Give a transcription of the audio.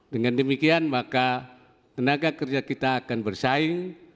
dengan demikian maka tenaga kerja kita akan bersaing